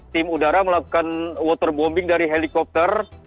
tim udara melakukan water bombing dari helikopter